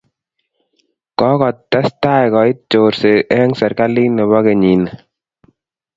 Kokotestai koit chorsee eng serikalit ne bo kenyii ni.